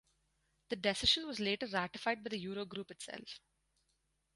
The decision was later ratified by the Eurogroup itself.